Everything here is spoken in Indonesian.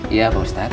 iya pak ustadz